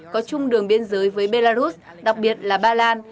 có chung đường biên giới với belarus đặc biệt là ba lan